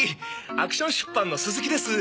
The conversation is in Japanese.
アクション出版の鈴木です。